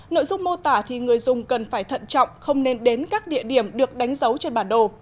nội dung mô tả thì người dùng cần phải thận trọng không nên đến các địa điểm được đánh dấu trên bản đồ